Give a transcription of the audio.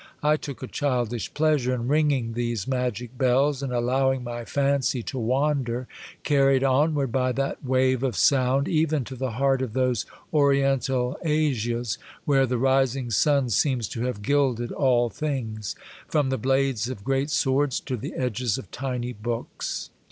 I took a childish pleasure in ringing these magic bells, and allowing my fancy to wander, carried onward by that wave of sound, even to the heart of tho^e Oriental Asias where the rising sun seems to have gilded all things, from the blades of great swords to the edges of tiny books.